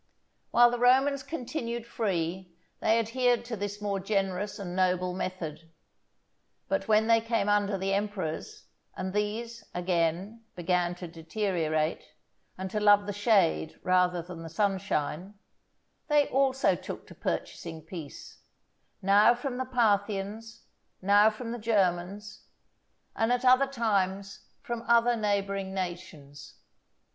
While the Romans continued free they adhered to this more generous and noble method, but when they came under the emperors, and these, again, began to deteriorate, and to love the shade rather than the sunshine, they also took to purchasing peace, now from the Parthians, now from the Germans, and at other times from other neighbouring nations.